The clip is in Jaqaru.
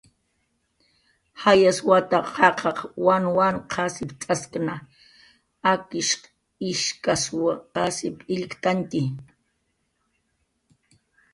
Jayas wataq qaqaq wanwanw qasipcx'askna, akishq ishkasw qasip illktantxi